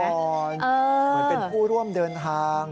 เหมือนเป็นผู้ร่วมเดินทาง